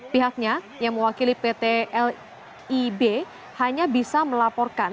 pihaknya yang mewakili pt lib hanya bisa melaporkan